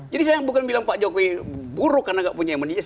jadi saya bukan bilang pak jokowi buruk karena gak punya mnds